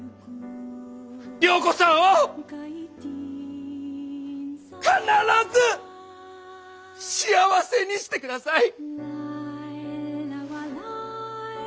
良子さんを必ず幸せにしてください！